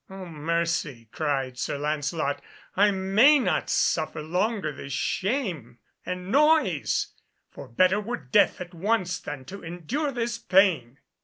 "Oh, mercy," cried Sir Lancelot, "I may not suffer longer this shame and noise! For better were death at once than to endure this pain."